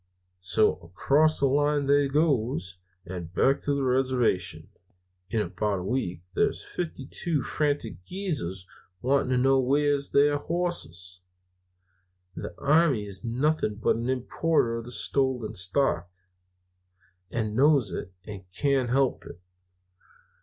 "So, across the line they goes, and back to the reservation. In about a week there's fifty two frantic Greasers wanting to know where's their hosses. The army is nothing but an importer of stolen stock, and knows it, and can't help it.